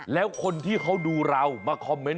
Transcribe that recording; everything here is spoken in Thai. แล้วคนที่เขาดูเรามาคอมเมนต